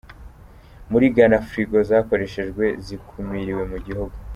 Muri gana Firigo zakoreshejwe zakumiriwe mu gihugu